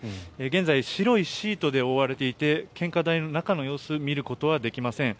現在、白いシートで覆われていて献花台の中の様子を見ることはできません。